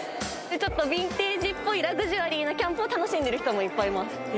ちょっとビンテージっぽいラグジュアリーなキャンプを楽しんでる人もいっぱいいます